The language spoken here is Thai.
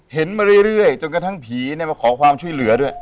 เห็นมาเรื่อยเรื่อยจนกระทั้งผีเนี่ยมาขอความช่วยเหลือด้วย